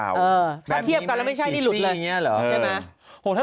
เออแบบนี้แมวสีส้มถ้าเทียบกันแล้วไม่ใช่ที่หลุดละใช่ไหม